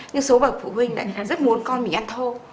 nhưng số bậc phụ huynh lại rất muốn con mình ăn thô